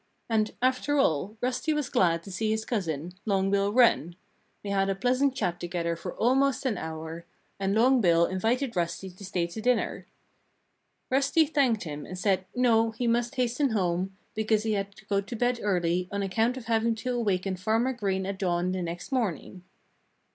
And, after all, Rusty was glad to see his cousin, Long Bill Wren. They had a pleasant chat together for almost an hour. And Long Bill invited Rusty to stay to dinner. Rusty thanked him and said, no! he must hasten home, because he had to go to bed early, on account of having to awaken Farmer Green at dawn the next morning.